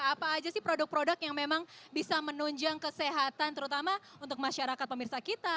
apa aja sih produk produk yang memang bisa menunjang kesehatan terutama untuk masyarakat pemirsa kita